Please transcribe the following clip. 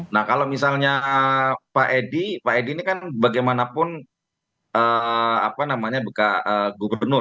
nah kalau misalnya pak edi pak edi ini kan bagaimanapun gubernur